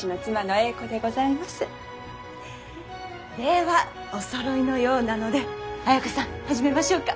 ではおそろいのようなので綾子さん始めましょうか。